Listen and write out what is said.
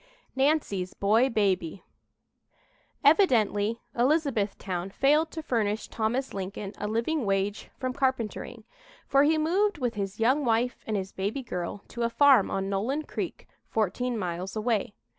"NANCY'S BOY BABY" Evidently Elizabethtown failed to furnish Thomas Lincoln a living wage from carpentering, for he moved with his young wife and his baby girl to a farm on Nolen Creek, fourteen miles away.